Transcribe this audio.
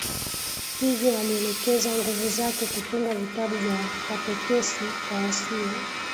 Hivyo alielekeza nguvu zake kutunga vitabu vya katekesi kwa wasio